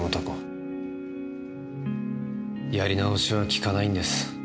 やり直しはきかないんです